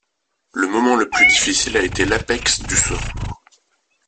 Le moment le plus difficile a été l'apex du saut.